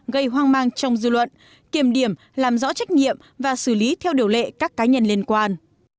gây hoang mang trong dư luận kiềm điểm làm rõ trách nhiệm và xử lý theo điều lệ các cá nhân liên quan